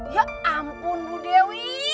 ya ampun bu dewi